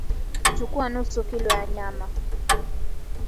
Chukua nusu kilo ya nyama